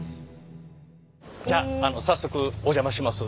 じゃああの早速お邪魔します。